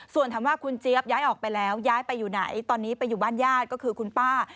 ส่วนถามว่าคุณเจี๊ยบย้ายออกไปแล้วย้ายไปอยู่ไหนตอนนี้ไปอยู่บ้านญาติก็คือคุณป้า